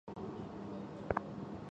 由获胜团队优先选择要对阵的对手。